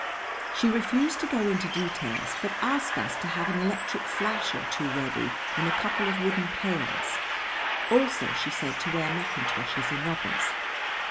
She refused to go into details, but asked us to have an electric flash or two ready and a couple of wooden pails. Also she said to wear mackintoshes and rubbers.